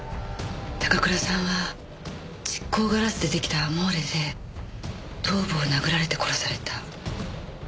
高倉さんは蓄光ガラスで出来た『アモーレ』で頭部を殴られて殺された。